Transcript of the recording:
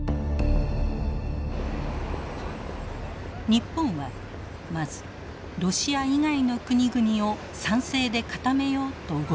日本はまずロシア以外の国々を賛成で固めようと動き出しました。